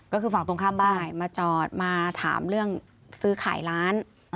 ก็คือฝั่งตรงข้ามบ้านมาจอดมาถามเรื่องซื้อขายร้าน